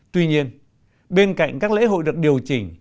tuy nhiên bên cạnh các lễ hội được điều chỉnh